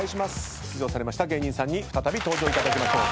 出場されました芸人さんに再び登場いただきましょう。